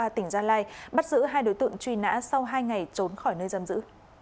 công an huyện grongpa tp đắk lắc đã bắt giữ hai đối tượng truy nã sau hai ngày trốn khỏi nơi giam giữ